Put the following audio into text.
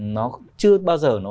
nó chưa bao giờ nó